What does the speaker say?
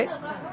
mà cần phải